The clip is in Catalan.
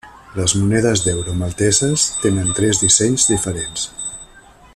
Les monedes d'euro malteses tenen tres dissenys diferents.